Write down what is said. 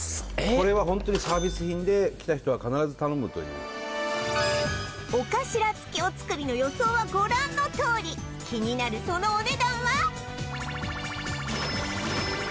これはホントにサービス品で来た人は必ず頼むというお頭つきお造りの予想はご覧のとおり気になるそのお値段は？